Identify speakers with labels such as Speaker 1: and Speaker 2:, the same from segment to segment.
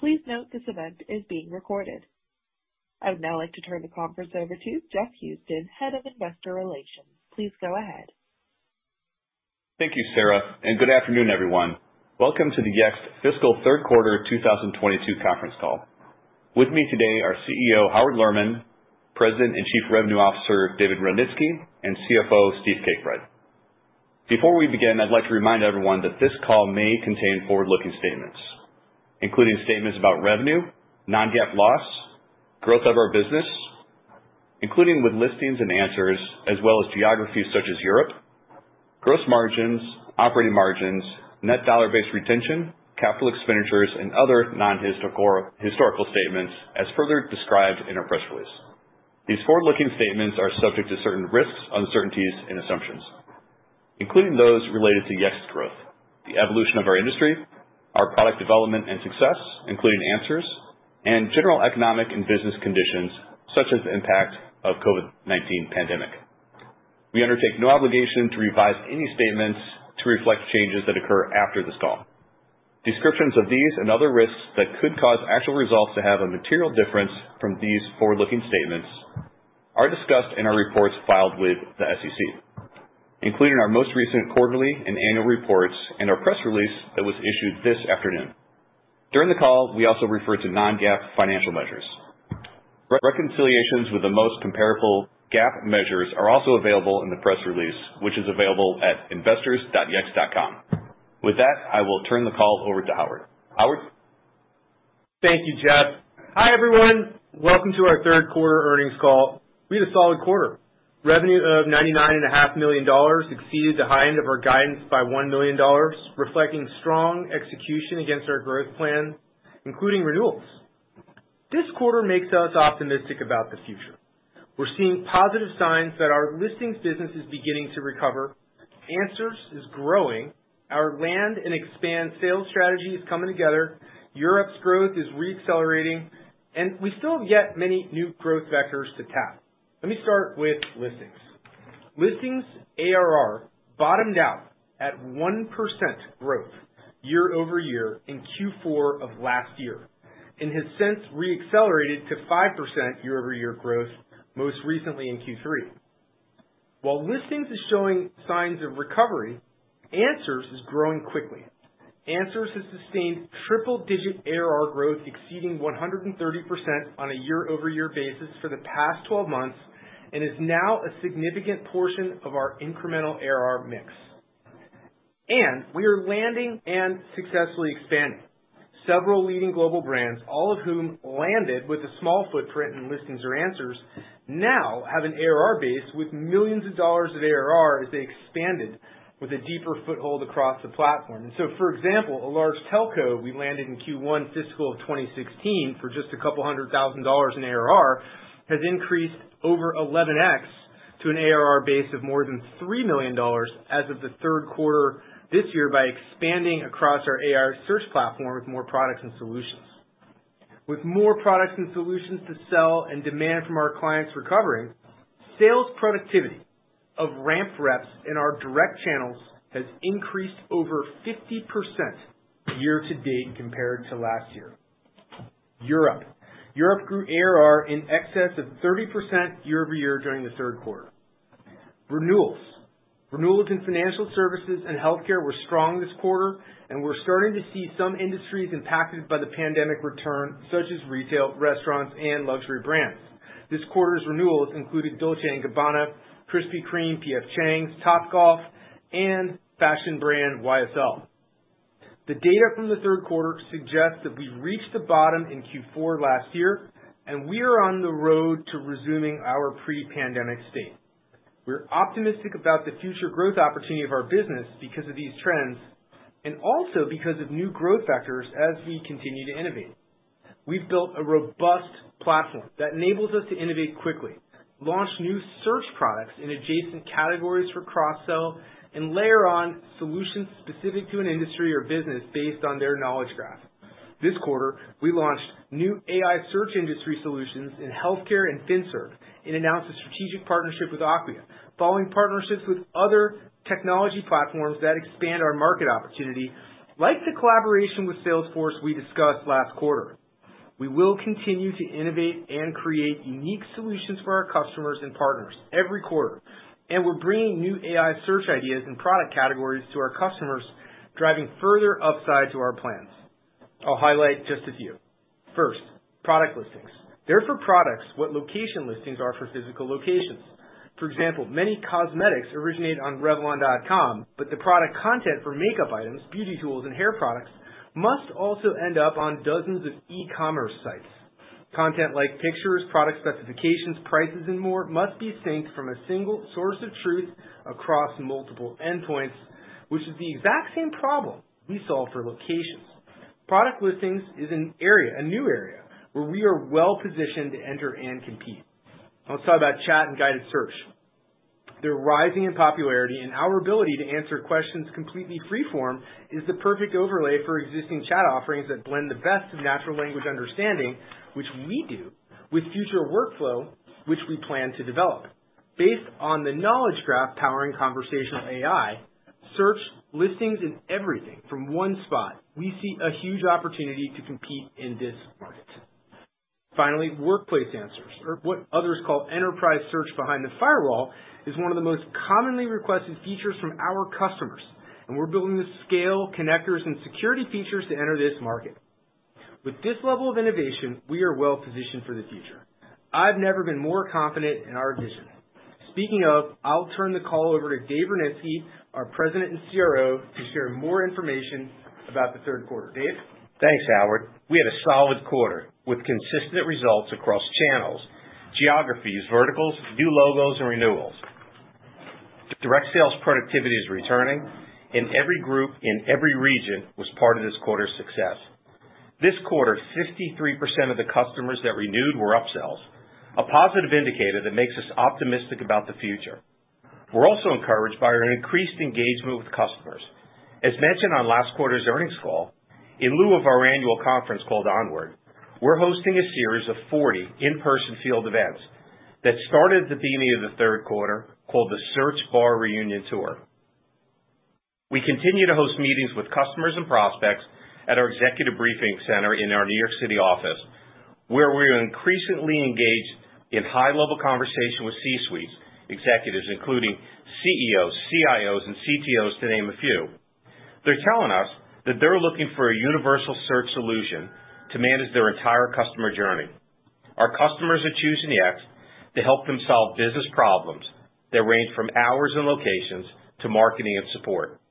Speaker 1: Good afternoon, everyone. Welcome to the Yext fiscal third quarter 2022 conference call. With me today are CEO Howard Lerman, President and Chief Revenue Officer David Rudnitsky, and CFO Steve Cakebread. Before we begin, I'd like to remind everyone that this call may contain forward-looking statements, including statements about revenue, non-GAAP loss, growth of our business, including with Listings and Answers as well as geographies such as Europe, gross margins, operating margins, net dollar-based retention, capital expenditures, and other non-historical statements as further described in our press release. These forward-looking statements are subject to certain risks, uncertainties, and assumptions, including those related to Yext growth, the evolution of our industry, our product development and success, including Answers and general economic and business conditions such as the impact of the COVID-19 pandemic. We undertake no obligation to revise any statements to reflect changes that occur after this call. Descriptions of these and other risks that could cause actual results to differ materially from these forward-looking statements are discussed in our reports filed with the SEC, including our most recent quarterly and annual reports and our press release that was issued this afternoon. During the call, we also refer to non-GAAP financial measures. Reconciliations with the most comparable GAAP measures are also available in the press release, which is available at investors.yext.com. With that, I will turn the call over to Howard. Howard?
Speaker 2: Thank you, Jeff. Hi, everyone. Welcome to our third quarter earnings call. We had a solid quarter. Revenue of $99.5 million exceeded the high end of our guidance by $1 million, reflecting strong execution against our growth plan, including renewals. This quarter makes us optimistic about the future. We're seeing positive signs that our Listings business is beginning to recover, Answers is growing, our land and expand sales strategy is coming together, Europe's growth is re-accelerating, and we still have yet many new growth vectors to tap. Let me start with Listings. Listings ARR bottomed out at 1% growth year-over-year in Q4 of last year and has since re-accelerated to 5% year-over-year growth most recently in Q3. While Listings is showing signs of recovery, Answers is growing quickly. Answers has sustained triple-digit ARR growth, exceeding 130% year-over-year for the past 12 months and is now a significant portion of our incremental ARR mix. We are landing and successfully expanding several leading global brands, all of whom landed with a small footprint in Listings or Answers, now have an ARR base in the millions of dollars as they expanded with a deeper foothold across the platform. For example, a large telco we landed in Q1 fiscal 2016 for just a couple hundred thousand dollars in ARR, has increased over 11x to an ARR base of more than $3 million as of the third quarter this year by expanding across our AI search platform with more products and solutions. With more products and solutions to sell and demand from our clients recovering, sales productivity of ramp reps in our direct channels has increased over 50% year to date compared to last year. Europe grew ARR in excess of 30% year-over-year during the third quarter. Renewals in financial services and healthcare were strong this quarter, and we're starting to see some industries impacted by the pandemic return, such as retail, restaurants, and luxury brands. This quarter's renewals included Dolce & Gabbana, Krispy Kreme, P.F. Chang's, Topgolf, and fashion brand YSL. The data from the third quarter suggests that we've reached the bottom in Q4 last year, and we are on the road to resuming our pre-pandemic state. We're optimistic about the future growth opportunity of our business because of these trends and also because of new growth vectors as we continue to innovate. We've built a robust platform that enables us to innovate quickly, launch new search products in adjacent categories for cross-sell, and layer on solutions specific to an industry or business based on their Knowledge Graph. This quarter, we launched new AI search industry solutions in healthcare and financial services and announced a strategic partnership with Acquia, following partnerships with other technology platforms that expand our market opportunity, like the collaboration with Salesforce we discussed last quarter. We will continue to innovate and create unique solutions for our customers and partners every quarter, and we're bringing new AI search ideas and product categories to our customers, driving further upside to our plans. I'll highlight just a few. First, product listings. They're for products what location listings are for physical locations. For example, many cosmetics originate on Revlon.com, but the product content for makeup items, beauty tools, and hair products must also end up on dozens of e-commerce sites. Content like pictures, product specifications, prices, and more must be synced from a single source of truth across multiple endpoints, which is the exact same problem we solve for locations. Product listings is an area, a new area, where we are well-positioned to enter and compete. I'll talk about chat and guided search. They're rising in popularity, and our ability to answer questions completely free-form is the perfect overlay for existing chat offerings that blend the best of natural language understanding, which we do, with future workflow, which we plan to develop. Based on the Knowledge Graph powering conversational AI, search listings in everything from one spot, we see a huge opportunity to compete in this market. Finally, Workplace Answers, or what others call enterprise search behind the firewall, is one of the most commonly requested features from our customers, and we're building the scale, connectors and security features to enter this market. With this level of innovation, we are well-positioned for the future. I've never been more confident in our vision. Speaking of, I'll turn the call over to David Rudnitsky, our President and CRO, to share more information about the third quarter. Dave?
Speaker 3: Thanks, Howard. We had a solid quarter with consistent results across channels, geographies, verticals, new logos and renewals. Direct sales productivity is improving, and every group in every region was part of this quarter's success. This quarter, 53% of the customers that renewed were upsells, a positive indicator that makes us optimistic about the future. We're also encouraged by an increased engagement with customers. As mentioned on last quarter's earnings call, in lieu of our annual conference called ONWARD, we're hosting a series of 40 in-person field events that started at the beginning of the third quarter called The Search Bar Reunion Tour. We continue to host meetings with customers and prospects at our executive briefing center in our New York City office, where we are increasingly engaged in high-level conversation with C-suite executives, including CEOs, CIOs, and CTOs, to name a few. They're telling us that they're looking for a universal search solution to manage their entire customer journey. Our customers are choosing Yext to help them solve business problems that range from hours and locations to marketing and support.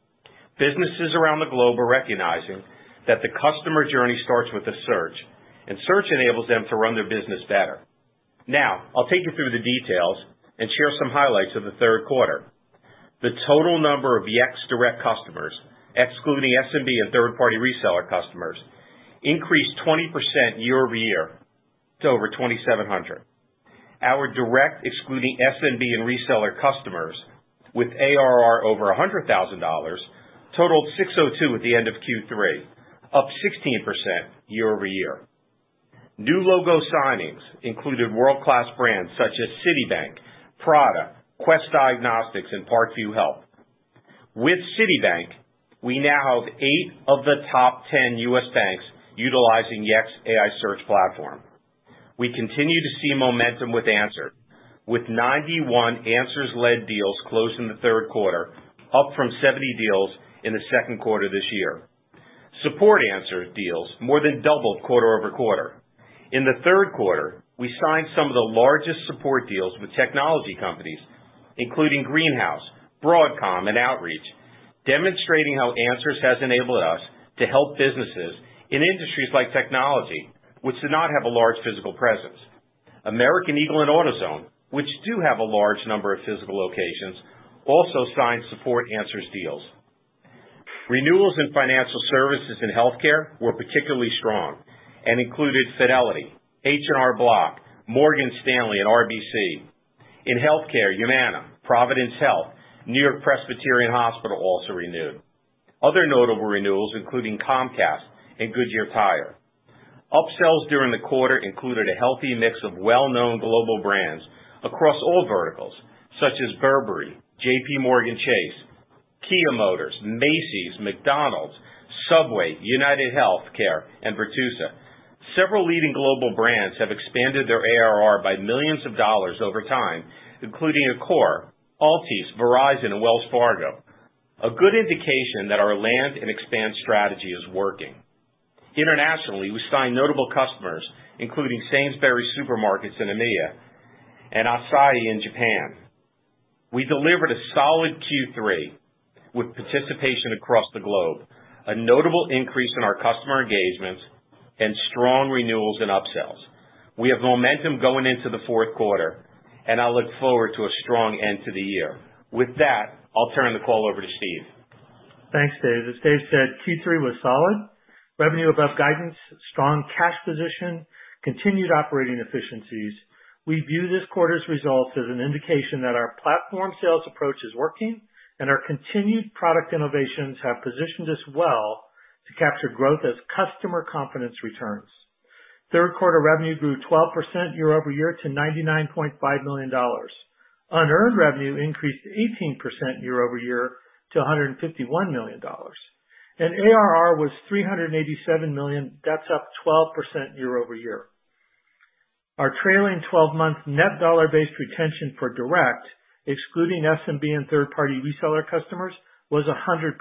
Speaker 3: Businesses around the globe are recognizing that the customer journey starts with a search, and search enables them to run their business better. Now, I'll take you through the details and share some highlights of the third quarter. The total number of Yext direct customers, excluding SMB and third-party reseller customers, increased 20% year-over-year to over 2,700. Our direct, excluding SMB and reseller customers with ARR over $100,000 totaled 602 at the end of Q3, up 16% year-over-year. New logo signings included world-class brands such as Citibank, Prada, Quest Diagnostics, and Parkview Health. With Citibank, we now have 8 of the top 10 U.S. banks utilizing Yext AI Search platform. We continue to see momentum with Answers, with 91 Answers-led deals closed in the third quarter, up from 70 deals in the second quarter this year. Support Answers deals more than doubled quarter-over-quarter. In the third quarter, we signed some of the largest support deals with technology companies, including Greenhouse, Broadcom, and Outreach, demonstrating how Answers has enabled us to help businesses in industries like technology, which do not have a large physical presence. American Eagle and AutoZone, which do have a large number of physical locations, also signed Support Answers deals. Renewals in financial services and healthcare were particularly strong and included Fidelity, H&R Block, Morgan Stanley, and RBC. In healthcare, Humana, Providence Health, NewYork-Presbyterian Hospital also renewed. Other notable renewals including Comcast and Goodyear Tire. Upsells during the quarter included a healthy mix of well-known global brands across all verticals, such as Burberry, JPMorgan Chase, Kia Motors, Macy's, McDonald's, Subway, UnitedHealthcare, and Virtusa. Several leading global brands have expanded their ARR by millions of dollars over time, including Accor, Altice, Verizon, and Wells Fargo. A good indication that our land and expand strategy is working. Internationally, we signed notable customers, including Sainsbury's Supermarkets in EMEA and Asahi in Japan. We delivered a solid Q3 with participation across the globe, a notable increase in our customer engagements, and strong renewals and upsells. We have momentum going into the fourth quarter, and I look forward to a strong end to the year. With that, I'll turn the call over to Steve.
Speaker 4: Thanks, Dave. As Dave said, Q3 was solid. Revenue above guidance, strong cash position, continued operating efficiencies. We view this quarter's results as an indication that our platform sales approach is working, and our continued product innovations have positioned us well to capture growth as customer confidence returns. Third quarter revenue grew 12% year-over-year to $99.5 million. Unearned revenue increased 18% year-over-year to $151 million. ARR was $387 million, that's up 12% year-over-year. Our trailing twelve-month net dollar-based retention for direct, excluding SMB and third-party reseller customers, was 100%.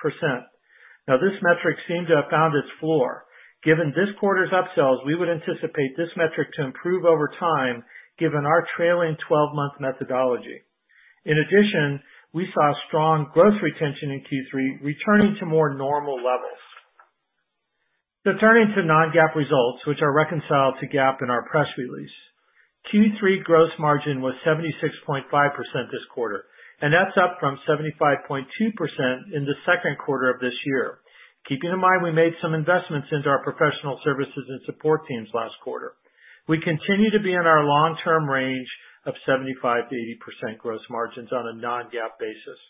Speaker 4: Now, this metric seems to have found its floor. Given this quarter's upsells, we would anticipate this metric to improve over time given our trailing twelve-month methodology. In addition, we saw strong gross retention in Q3 returning to more normal levels. Turning to non-GAAP results, which are reconciled to GAAP in our press release. Q3 gross margin was 76.5% this quarter, and that's up from 75.2% in the second quarter of this year. Keeping in mind, we made some investments into our professional services and support teams last quarter. We continue to be in our long-term range of 75%-80% gross margins on a non-GAAP basis.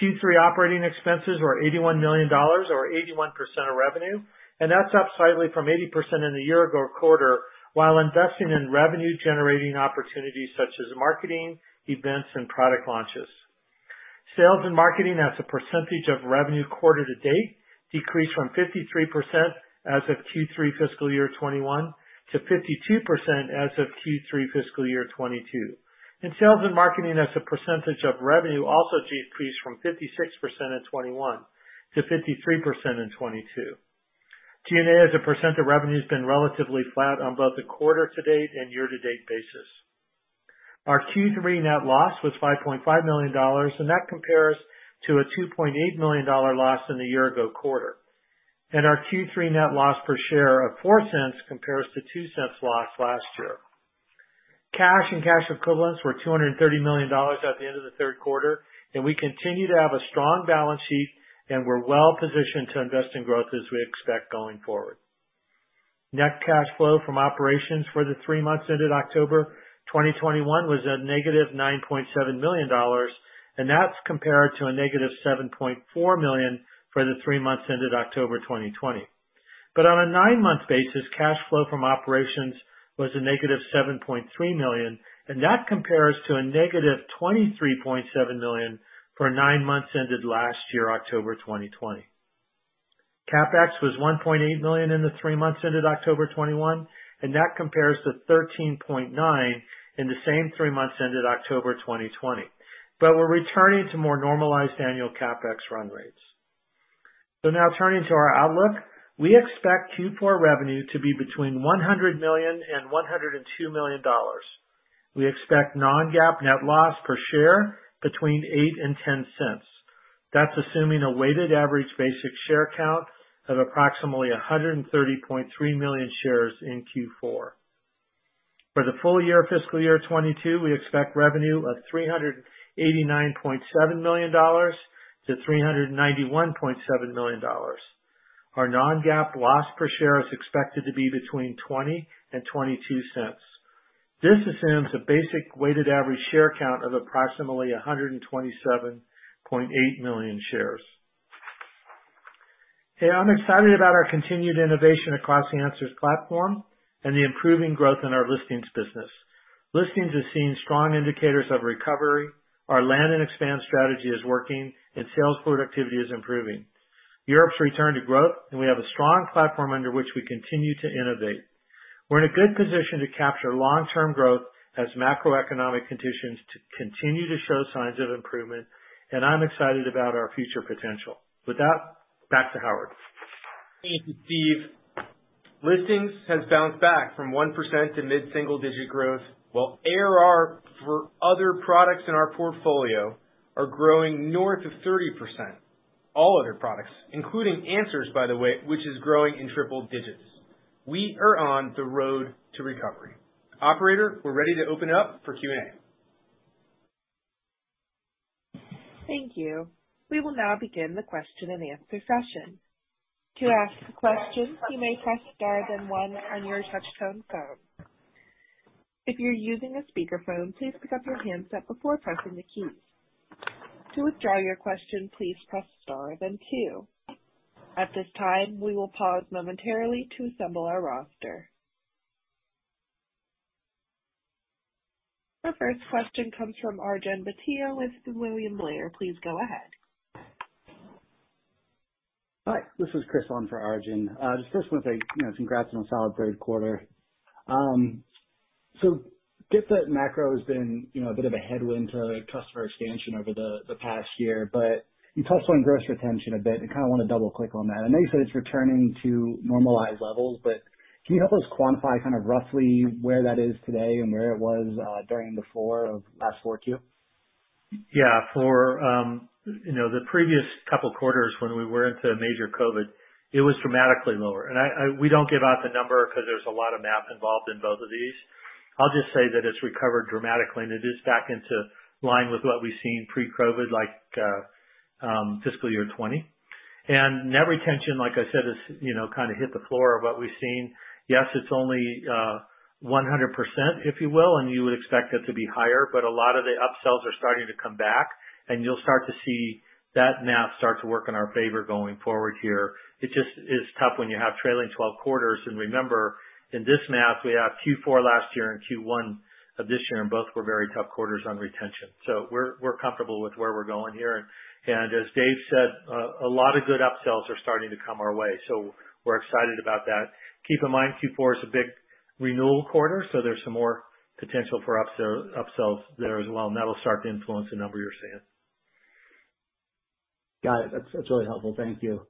Speaker 4: Q3 operating expenses were $81 million or 81% of revenue, and that's up slightly from 80% in the year ago quarter, while investing in revenue generating opportunities such as marketing, events, and product launches. Sales and marketing as a percentage of revenue quarter to date decreased from 53% as of Q3 FY 2021 to 52% as of Q3 FY 2022. Sales and marketing as a percentage of revenue also decreased from 56% in 2021 to 53% in 2022. G&A as a percent of revenue's been relatively flat on both the quarter to date and year to date basis. Our Q3 net loss was $5.5 million, and that compares to a $2.8 million loss in the year ago quarter. Our Q3 net loss per share of $0.04 compares to $0.02 loss last year. Cash and cash equivalents were $230 million at the end of the third quarter, and we continue to have a strong balance sheet and we're well positioned to invest in growth as we expect going forward. Net cash flow from operations for the three months ended October 2021 was -$9.7 million, and that's compared to -$7.4 million for the three months ended October 2020. On a 9-month basis, cash flow from operations was -$7.3 million, and that compares to -$23.7 million for nine months ended last year, October 2020. CapEx was $1.8 million in the three months ended October 2021, and that compares to $13.9 million in the same three months ended October 2020. We're returning to more normalized annual CapEx run rates. Now turning to our outlook. We expect Q4 revenue to be between $100 million and $102 million. We expect non-GAAP net loss per share between $0.08 and $0.10. That's assuming a weighted average basic share count of approximately 130.3 million shares in Q4. For the full year fiscal year 2022, we expect revenue of $389.7 million to $391.7 million. Our non-GAAP loss per share is expected to be between $0.20 and $0.22. This assumes a basic weighted average share count of approximately 127.8 million shares. Hey, I'm excited about our continued innovation across Answers platform and the improving growth in our Listings business. Listings is seeing strong indicators of recovery. Our land and expand strategy is working, and sales productivity is improving. Europe's returned to growth, and we have a strong platform under which we continue to innovate. We're in a good position to capture long-term growth as macroeconomic conditions continue to show signs of improvement, and I'm excited about our future potential. With that, back to Howard.
Speaker 2: Thank you, Steve. Listings has bounced back from 1% to mid-single-digit growth, while ARR for other products in our portfolio are growing north of 30%. All other products, including Answers, by the way, which is growing in triple digits. We are on the road to recovery. Operator, we're ready to open up for Q&A.
Speaker 5: Hi, this is Chris on for Arjun. I just want to say first, congrats on a solid third quarter. I get that the macro has been, a bit of a headwind to customer expansion over the past year, but you touched on gross retention a bit. I kinda want to double-click on that. I know you said it's returning to normalized levels, but can you help us quantify kind of roughly where that is today and where it was during the floor of the last four Q?
Speaker 4: Yeah. For the previous couple quarters when we were into major COVID, it was dramatically lower. we do not disclose the number because there's a lot of math involved in both of these. I'll just say that it's recovered dramatically, and it is back into line with what we've seen pre-COVID like fiscal year 2020. Net retention, like I said, is kind of hit the floor of what we've seen. Yes, it is currently 100%, and you would expect it to be higher, but a lot of the upsells are starting to come back and you'll start to see that math start to work in our favor going forward here. It just is tough when you have trailing twelve quarters. Remember, in this math we have Q4 last year and Q1 of this year, and both were very tough quarters on retention. We're comfortable with where we're going here. As Dave said, a lot of good upsells are starting to come our way. We're excited about that. Keep in mind, Q4 is a big renewal quarter, so there's some more potential for upsell, upsells there as well, and that'll start to influence the number you're seeing.
Speaker 5: Got it. That's really helpful. Thank you.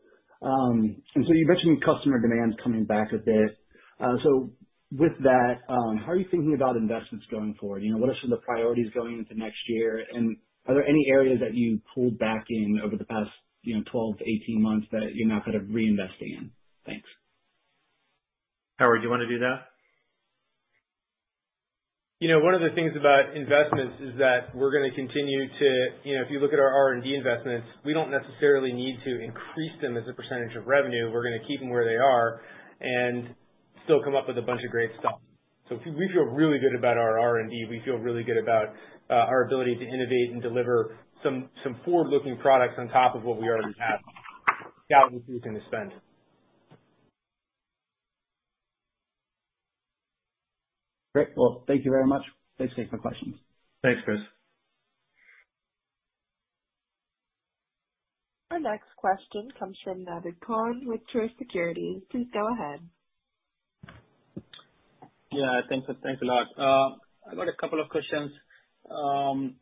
Speaker 5: You mentioned customer demand coming back a bit. With that, how are you thinking about investments going forward? what are some of the priorities going into next year? Are there any areas that you pulled back in over the past, 12-18 months that you're now kind of reinvesting in? Thanks.
Speaker 4: Howard, do you want to do that?
Speaker 2: one of the things about investments is that we're going to continue to if you look at our R&D investments, we don't necessarily need to increase them as a percentage of revenue. We're going to keep them where they are and still come up with a bunch of great stuff. We feel really good about our R&D. We feel really good about our ability to innovate and deliver some forward-looking products on top of what we already have without increasing the spend.
Speaker 5: Great. Well, thank you very much. Thanks, Dave, for questions.
Speaker 2: Thanks, Chris.
Speaker 6: Yeah, thanks. Thanks a lot. I got a couple of questions. On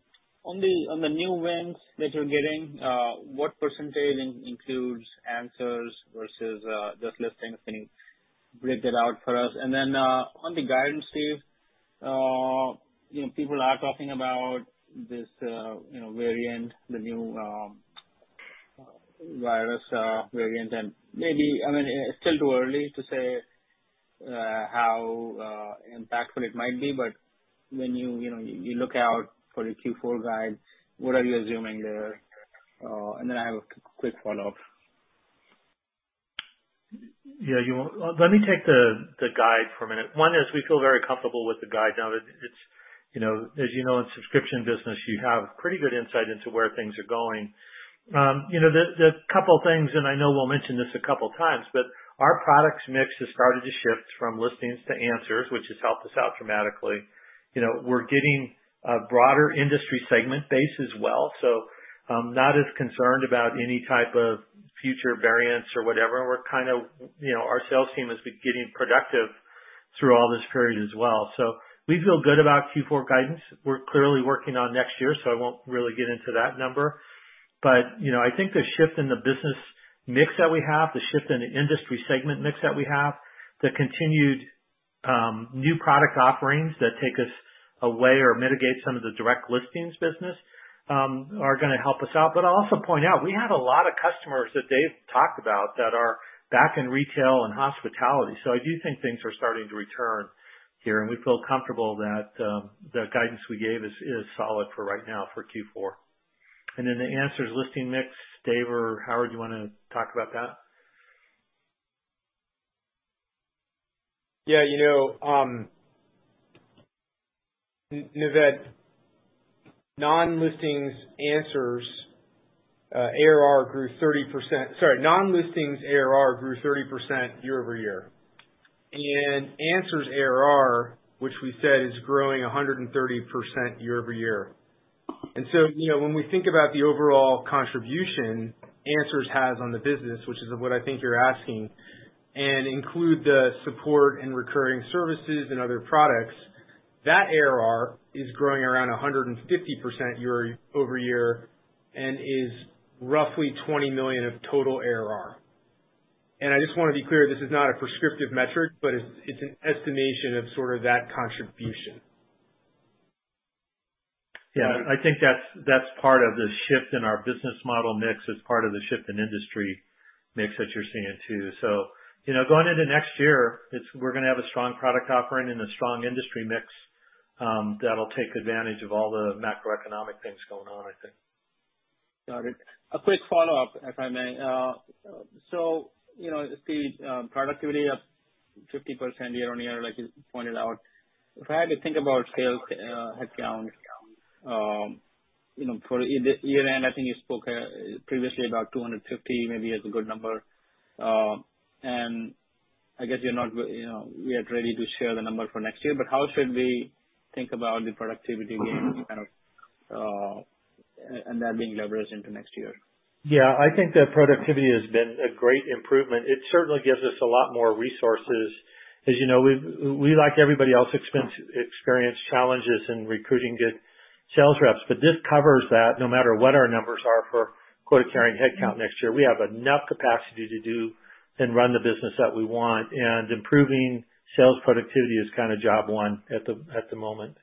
Speaker 6: the new wins that you're getting, what percentage includes Answers versus just Listings? Can you break that out for us? On the guidance, Steve, people are talking about this, variant, the new COVID-19 variant maybe. I mean, it's still too early to say how impactful it might be, but when you look out for the Q4 guide, what are you assuming there? I have a quick follow-up.
Speaker 4: Yeah. Let me take the guidance for a minute. One is we feel very comfortable with the guidance. Now, it's. As in subscription business, you have pretty good insight into where things are going. The couple things, and I know we'll mention this a couple times, but our product mix has started to shift from Listings to Answers, which has helped us out dramatically. We're getting a broader industry segment base as well. So I'm not as concerned about any type of future variants or whatever. We're kind of, our sales team has been getting productive through all this period as well. So we feel good about Q4 guidance. We're clearly working on next year, so I won't really get into that number. I think the shift in the business mix that we have, the shift in the industry segment mix that we have, the continued new product offerings that take us away or mitigate some of the direct listings business are going to help us out. I'll also point out, we have a lot of customers that Dave talked about that are back in retail and hospitality. I do think things are starting to return here, and we feel comfortable that the guidance we gave is solid for right now for Q4. Then the Answers listing mix, Dave or Howard, you want to talk about that?
Speaker 2: Yeah. Naved, non-Listings Answers ARR grew 30%. Sorry. Non-Listings ARR grew 30% year-over-year. Answers ARR, which we said is growing 130% year-over-year. When we think about the overall contribution Answers has on the business, which is what I think you're asking, and include the Support Answers and recurring services and other products, that ARR is growing around 150% year-over-year and is roughly $20 million of total ARR. I just want to be clear, this is not a prescriptive metric, but it's an estimation of sort of that contribution.
Speaker 4: Yeah. I think that's part of the shift in our business model mix. It's part of the shift in industry mix that you're seeing too. Going into next year, we're going to have a strong product offering and a strong industry mix that'll take advantage of all the macroeconomic things going on, I think.
Speaker 6: Got it. A quick follow-up, if I may. So, Steve, productivity up 50% year-over-year, like you pointed out. If I had to think about sales headcount, for the year-end, I think you spoke previously about 250 maybe as a good number. I guess you're not, yet ready to share the number for next year. How should we think about the productivity gains kind of and that being leveraged into next year?
Speaker 4: Yeah. I think the productivity has been a great improvement. It certainly gives us a lot more resources. As we, like everybody else, experienced challenges in recruiting good sales reps. But this covers that no matter what our numbers are for quota-carrying headcount next year. We have enough capacity to do and run the business that we want. Improving sales productivity is a top priority at the moment.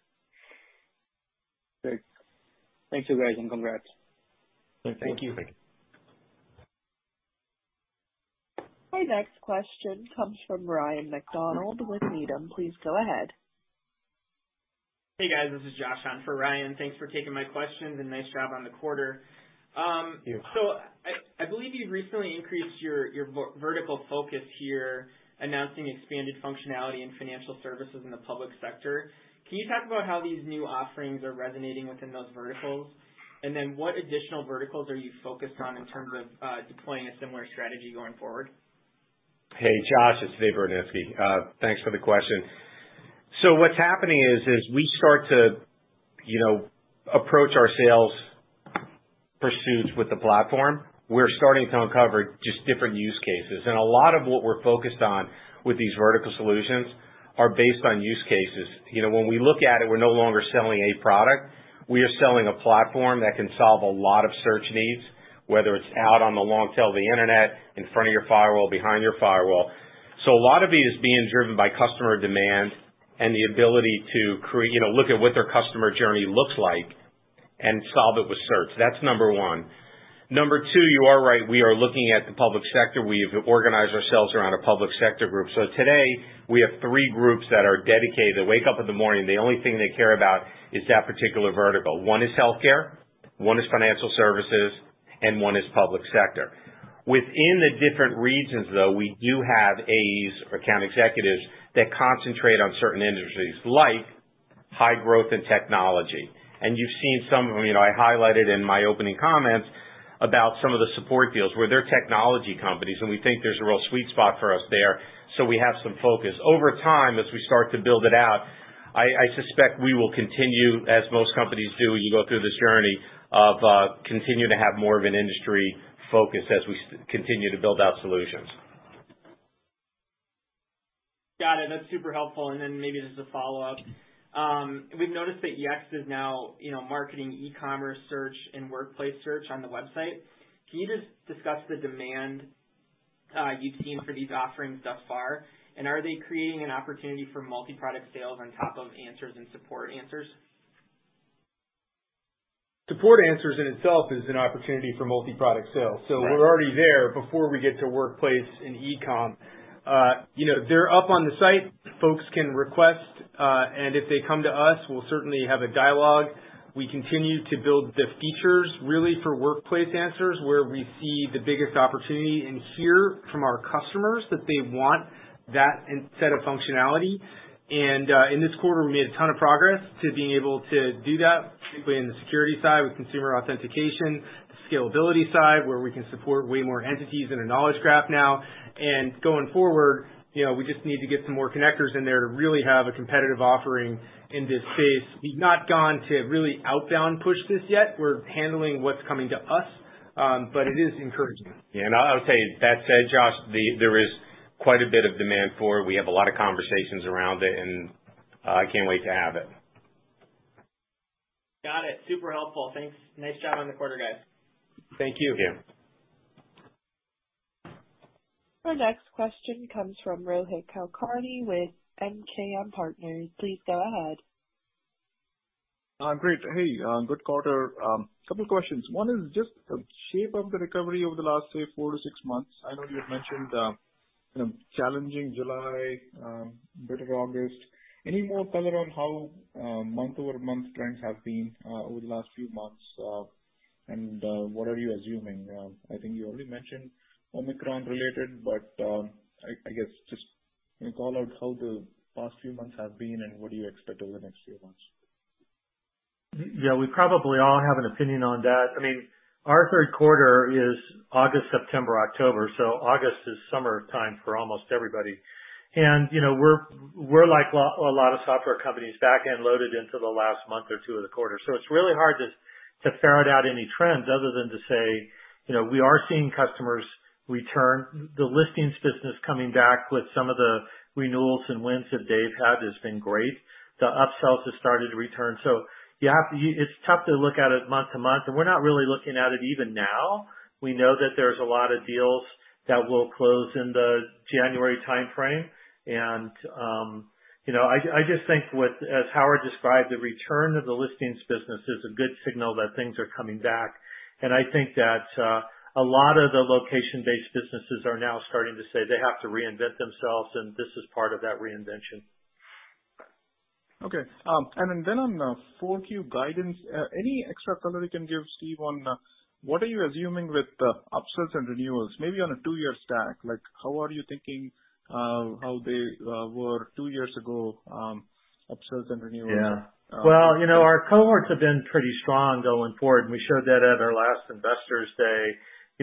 Speaker 6: Great. Thanks, you guys, and congrats.
Speaker 4: Thank you.
Speaker 2: Thank you.
Speaker 7: Hello. This is Josh on for Ryan. Thanks for taking my questions and congratulations on the quarter.
Speaker 4: Thank you.
Speaker 7: I believe you recently increased your vertical focus here, announcing expanded functionality in financial services in the public sector. Can you talk about how these new offerings are resonating within those verticals? What additional verticals are you focused on in terms of deploying a similar strategy going forward?
Speaker 3: Hey, Josh. It's David Rudnitsky. Thanks for the question. So what's happening is we start to, approach our sales pursuits with the platform. We're starting to uncover just different use cases. A lot of what we're focused on with these vertical solutions are based on use cases. When we look at it, we're no longer selling a product. We are selling a platform that can solve a lot of search needs, whether it's out on the long tail of the internet, in front of your firewall, behind your firewall. A lot of it is being driven by customer demand and the ability to create, look at what their customer journey looks like and solve it with search. That's number one. Number two, you are right, we are looking at the public sector. We've organized ourselves around a public sector group. Today we have three groups that are dedicated. They wake up in the morning, the only thing they care about is that particular vertical. One is healthcare, one is financial services, and one is public sector. Within the different regions, though, we do have AEs or account executives that concentrate on certain industries like high growth and technology. You've seen some of them. I highlighted in my opening comments about some of the support deals where they're technology companies, and we think there's a real sweet spot for us there. We have some focus. Over time, as we start to build it out, I suspect we will continue, as most companies do, as you go through this journey of, continue to have more of an industry focus as we continue to build out solutions.
Speaker 7: Got it. That's super helpful. Maybe just a follow-up. We've noticed that Yext is now, marketing e-commerce search and workplace search on the website. Can you just discuss the demand you've seen for these offerings thus far? Are they creating an opportunity for multi-product sales on top of Answers and Support Answers?
Speaker 2: Support Answers in itself is an opportunity for multi-product sales.
Speaker 7: Right.
Speaker 2: We're already there before we get to workplace and e-com. They're up on the site. Folks can request, and if they come to us, we'll certainly have a dialogue. We continue to build the features really for Workplace Answers, where we see the biggest opportunity and hear from our customers that they want that instead of functionality. In this quarter, we made a ton of progress to being able to do that, particularly in the security side with consumer authentication, scalability side, where we can support way more entities in a Knowledge Graph now. Going forward, we just need to get some more connectors in there to really have a competitive offering in this space. We've not gone to really outbound push this yet. We're handling what's coming to us. It is encouraging.
Speaker 3: Yeah. I'll tell you, that said, Josh, there is quite a bit of demand for it. We have a lot of conversations around it, and I can't wait to have it.
Speaker 7: Got it. Super helpful. Thanks. congratulations on the quarter, guys.
Speaker 2: Thank you.
Speaker 3: Thank you.
Speaker 8: Great. Hey, good quarter. A couple questions. One is just the shape of the recovery over the last, say, 4-6 months. I know you had mentioned, challenging July, bit of August. Any more color on how month-over-month trends have been over the last few months? And what are you assuming? I think you already mentioned Omicron-related, but I guess just can you call out how the past few months have been and what do you expect over the next few months?
Speaker 4: Yeah, we probably all have an opinion on that. I mean, our third quarter is August, September, October, so August is summer time for almost everybody. We're like a lot of software companies back-loaded into the last month or two of the quarter. It's really hard to ferret out any trends other than to say, we are seeing customers return. The Listings business coming back with some of the renewals and wins that Dave had has been great. The upsells have started to return. It's tough to look at it month to month, and we're not really looking at it even now. We know that there's a lot of deals that will close in the January timeframe. I just think with as Howard described, the return of the listings business is a good signal that things are coming back. I think that a lot of the location-based businesses are now starting to say they have to reinvent themselves, and this is part of that reinvention.
Speaker 8: Okay. On the 4Q guidance, any extra color you can give, Steve, on what are you assuming with the upsells and renewals maybe on a two-year stack? Like, how are you thinking how they were two years ago, upsells and renewals?
Speaker 4: Yeah. Well, our cohorts have been pretty strong going forward, and we showed that at our last Investors Day.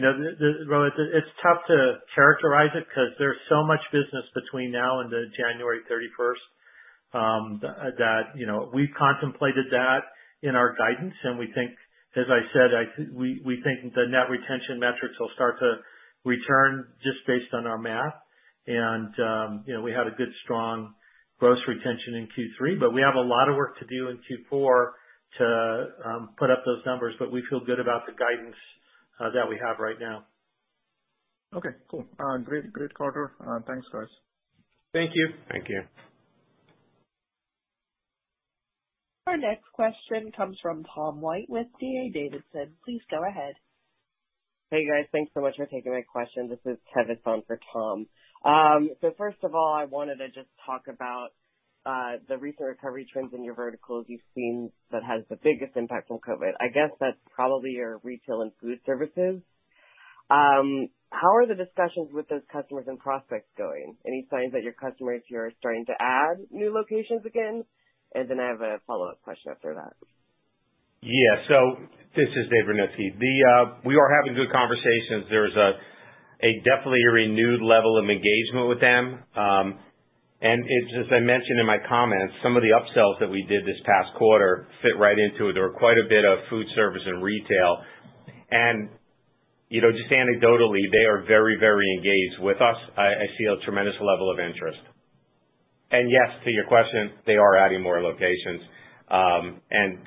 Speaker 4: Rohit, it's tough to characterize it because there's so much business between now and January 31 that, we've contemplated that in our guidance. We think, as I said, we think the net retention metrics will start to return just based on our math. We had a good, strong gross retention in Q3, but we have a lot of work to do in Q4 to put up those numbers, but we feel good about the guidance that we have right now.
Speaker 8: Okay, cool. Great. Great quarter. Thanks, guys.
Speaker 4: Thank you.
Speaker 3: Thank you.
Speaker 9: Hello. Thanks so much for taking my question. This is Tevis on for Tom. So first of all, I wanted to just talk about the recent recovery trends in your verticals you've seen that has the biggest impact from COVID. I guess that's probably your retail and food services. How are the discussions with those customers and prospects going? Any signs that your customers here are starting to add new locations again? I have a follow-up question after that.
Speaker 3: This is David Rudnitsky. We are having good conversations. There's definitely a renewed level of engagement with them. It's as I mentioned in my comments, some of the upsells that we did this past quarter fit right into it. There were quite a bit of food service and retail. Just anecdotally, they are very, very engaged with us. I see a tremendous level of interest. Yes to your question, they are adding more locations and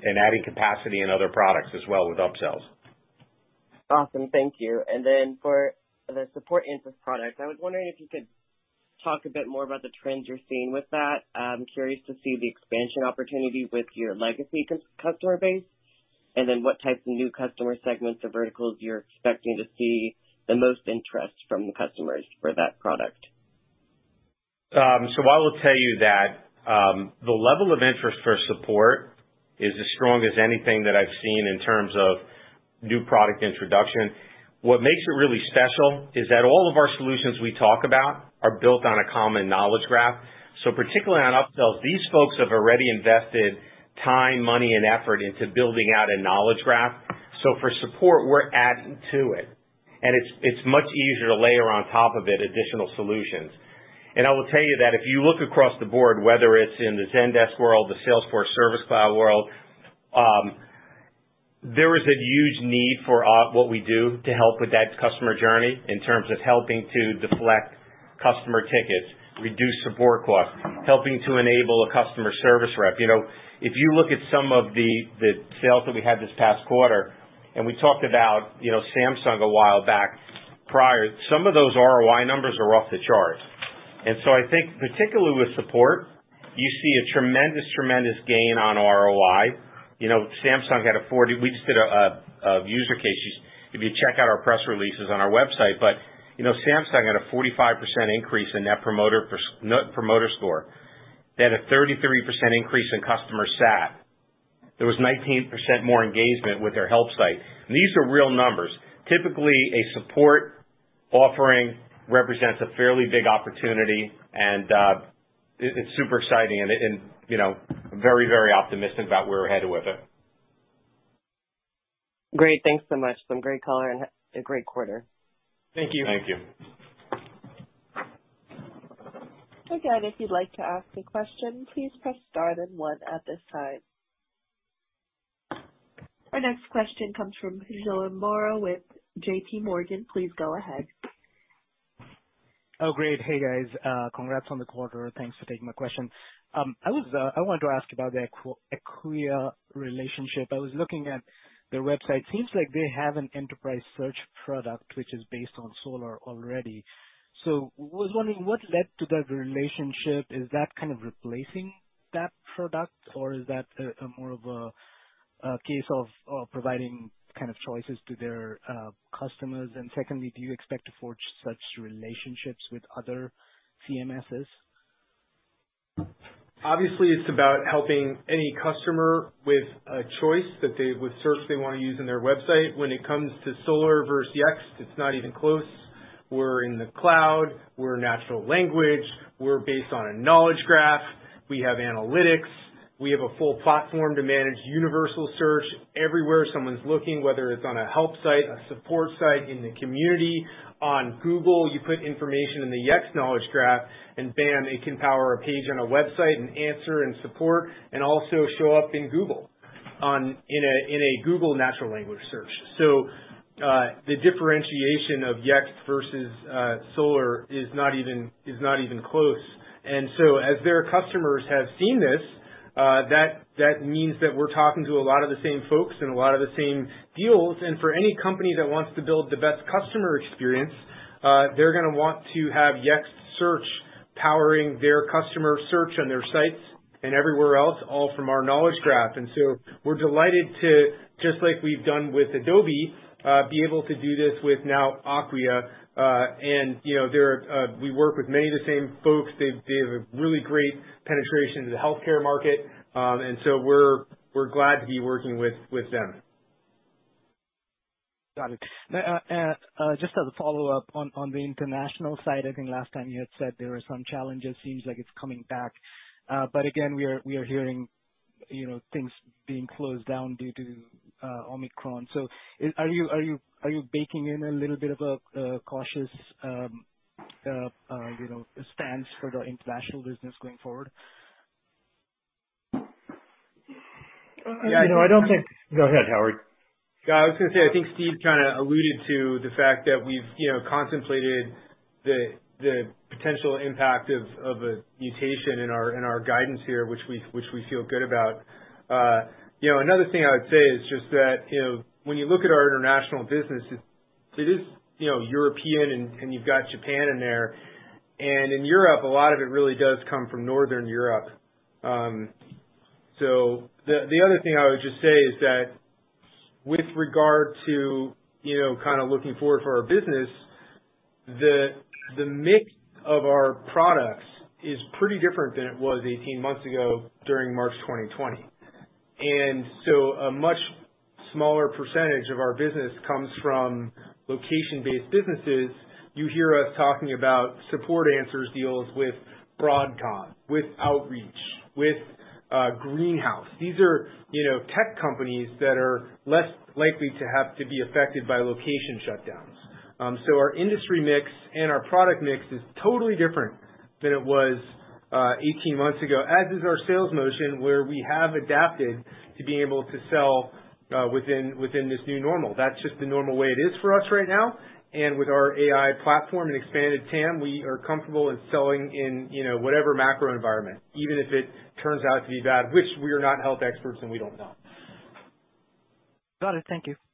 Speaker 3: adding capacity in other products as well with upsells.
Speaker 10: Awesome. Thank you. For the Support Answers product, I was wondering if you could talk a bit more about the trends you're seeing with that. I'm curious to see the expansion opportunity with your legacy customer base and then what types of new customer segments or verticals you're expecting to see the most interest from the customers for that product.
Speaker 3: I will tell you that the level of interest for support is as strong as anything that I've seen in terms of new product introduction. What makes it really special is that all of our solutions we talk about are built on a common Knowledge Graph. Particularly on upsells, these folks have already invested time, money, and effort into building out a Knowledge Graph. For support, we're adding to it, and it's much easier to layer on top of it additional solutions. I will tell you that if you look across the board, whether it's in the Zendesk world, the Salesforce Service Cloud world, there is a huge need for what we do to help with that customer journey in terms of helping to deflect customer tickets, reduce support costs, helping to enable a customer service rep. if you look at some of the sales that we had this past quarter, and we talked about, Samsung a while back, prior, some of those ROI numbers are off the charts. I think particularly with support, you see a tremendous gain on ROI. Samsung had a—we just did a use case study. If you check out our press releases on our website. Samsung had a 45% increase in net promoter score. They had a 33% increase in customer sat. There was 19% more engagement with their help site. These are real numbers. Typically, a support offering represents a fairly big opportunity, and it's super exciting and, very optimistic about where we're headed with it.
Speaker 10: Great. Thanks so much. Some great color and a great quarter.
Speaker 2: Thank you.
Speaker 3: Thank you.
Speaker 11: Oh, great. Hello, congrats on the quarter. Thanks for taking my question. I wanted to ask about the Acquia relationship. I was looking at their website. Seems like they have an enterprise search product which is based on Solr already. So I was wondering what led to that relationship. Is that kind of replacing that product or is that more of a case of providing kind of choices to their customers? And secondly, do you expect to forge such relationships with other CMSs?
Speaker 2: Obviously, it's about helping any customer with a choice that they would search, they want to use in their website. When it comes to Solr versus Yext, it's not even close. We're in the cloud. We're natural language. We're based on a Knowledge Graph. We have analytics. We have a full platform to manage universal search everywhere someone's looking, whether it's on a help site, a support site, in the community, on Google. You put information in the Yext Knowledge Graph, and bam, it can power a page on a website and answer and support and also show up in Google in a Google natural language search. The differentiation of Yext versus Solr is not even close. As their customers have seen this, that means that we're talking to a lot of the same folks and a lot of the same deals. For any company that wants to build the best customer experience, they're going to want to have Yext search powering their customer search on their sites and everywhere else, all from our Knowledge Graph. We're delighted to, just like we've done with Adobe, be able to do this with now Acquia, and, they're, we work with many of the same folks. They have a really great penetration into the healthcare market. We're glad to be working with them.
Speaker 11: Got it. Now, just as a follow-up on the international side, I think last time you had said there were some challenges. Seems like it's coming back. Again, we are hearing, things being closed down due to Omicron. Are you baking in a little bit of a cautious, stance for the international business going forward?
Speaker 3: Yeah, I don't think. Go ahead, Howard.
Speaker 2: Yeah, I was going to say, I think Steve kinda alluded to the fact that we've you know contemplated the potential impact of a mutation in our guidance here, which we feel good about. Another thing I would say is just that, when you look at our international business, it is, European and you've got Japan in there. In Europe, a lot of it really does come from Northern Europe. The other thing I would just say is that with regard to, kinda looking forward for our business, the mix of our products is pretty different than it was 18 months ago during March 2020. A much smaller percentage of our business comes from location-based businesses. You hear us talking about Support Answers deals with Broadcom, with Outreach, with Greenhouse. These are, tech companies that are less likely to have to be affected by location shutdowns. Our industry mix and our product mix is totally different than it was 18 months ago, as is our sales motion, where we have adapted to be able to sell within this new normal. That's just the normal way it is for us right now. With our AI platform and expanded TAM, we are comfortable in selling in, whatever macro environment, even if it turns out to be bad, which we are not health experts and we don't know.
Speaker 11: Got it. Thank you.